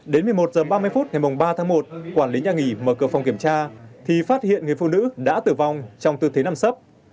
đến một mươi một h ba mươi phút ngày ba tháng một quản lý nhà nghỉ mở cửa phòng kiểm tra thì phát hiện người phụ nữ đã tử vong trong tư thế nằm sấp